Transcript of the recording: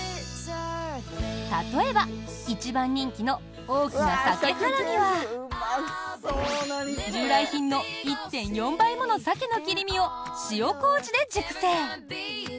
例えば、一番人気の大きな鮭はらみは従来品の１．４倍ものサケの切り身を塩麹で熟成。